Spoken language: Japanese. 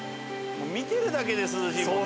見てるだけで涼しいもん。